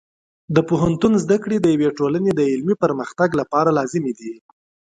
د پوهنتون زده کړې د یوې ټولنې د علمي پرمختګ لپاره لازمي دي.